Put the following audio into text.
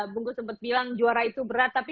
bungku sempat bilang juara itu berat tapi